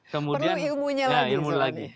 perlu ilmunya lagi